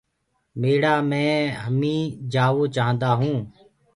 ميڙآ مي همي جآوو چآهندآ هونٚ۔